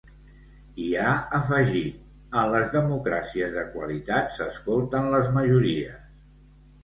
I ha afegit: En les democràcies de qualitat s’escolten les majories.